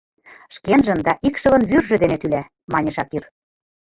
— Шкенжын да икшывын вӱржӧ дене тӱла, — мане Шакир.